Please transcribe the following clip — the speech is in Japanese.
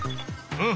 うん？